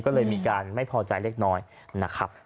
ก็เลยมีการไม่พอใจเล็กน้อยนะครับ